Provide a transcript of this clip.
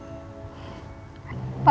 biar akang ke rumah tetiak